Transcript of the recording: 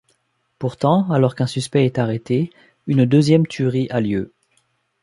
Pourtant, alors qu'un suspect est arrêté, une deuxième tuerie a lieu.